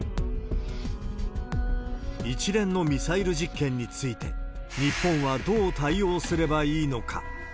一連のミサイル実験について、日本はどう対応すればいいのか。